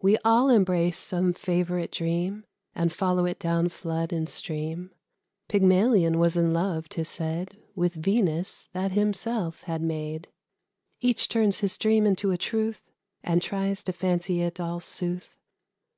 We all embrace some favourite dream, And follow it down flood and stream. Pygmalion was in love, 'tis said, With Venus that himself had made. Each turns his dream into a truth, And tries to fancy it all sooth.